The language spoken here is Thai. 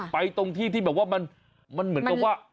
ตรงที่ที่แบบว่ามันเหมือนกับว่า